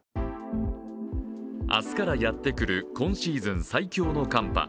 明日からやってくる今シーズン最強の寒波。